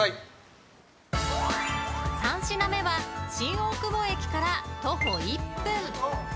３品目は新大久保駅から徒歩１分。